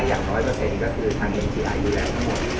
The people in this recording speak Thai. อย่าง๑๐๐ก็คือทางเองที่หายดูแลทั้งหมด